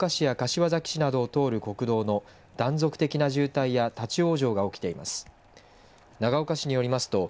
県内では長岡市や柏崎市などと通る国道の断続的な渋滞や立往生が起きています。